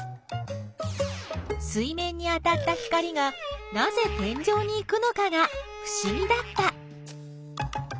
水面に当たった光がなぜ天井に行くのかがふしぎだった。